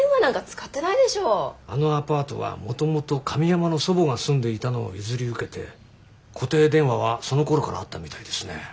あのアパートはもともと神山の祖母が住んでいたのを譲り受けて固定電話はそのころからあったみたいですね。